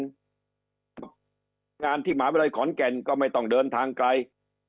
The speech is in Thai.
งานที่มหาวิทยาลัยขอนแก่นก็ไม่ต้องเดินทางไกล